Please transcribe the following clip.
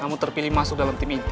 kamu terpilih masuk dalam tim inti